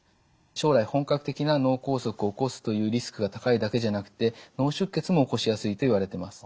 将来本格的な脳梗塞を起こすというリスクが高いだけじゃなくて脳出血も起こしやすいといわれてます。